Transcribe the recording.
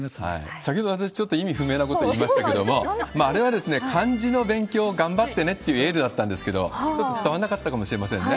先ほど私、ちょっと意味不明なこと言いましたけれども、あれはですね、漢字の勉強を頑張ってねっていうエールだったんですけども、ちょっと伝わらなかったかもしれませんね。